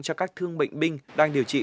cho các thương bệnh binh đang điều trị